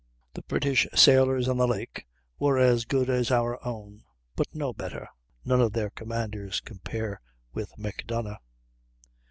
The British sailors on the lakes were as good as our own, but no better. None of their commanders compare with Macdonough.